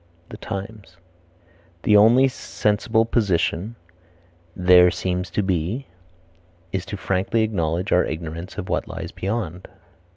The Times. "The only sensible position (there seems to be) is to frankly acknowledge our ignorance of what lies beyond."